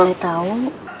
kalian bisa berhenti